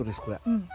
うん。